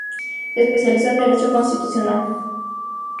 Se especializó en derecho constitucional.